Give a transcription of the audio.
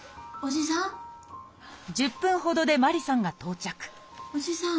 １０分ほどでマリさんが到着おじさん！